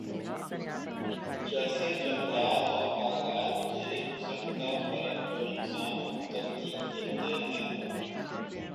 جیسے جنگلات اور باغات کے حسن کا فرق جو انسان خود ترتیب دیتا ہے